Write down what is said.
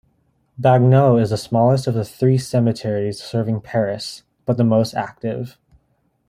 Bagneux is the smallest of the three cemeteries serving Paris, but the most active.